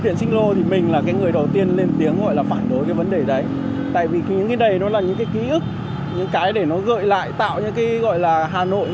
tại vì những cái này nó là những cái ký ức những cái để nó gợi lại tạo những cái gọi là hà nội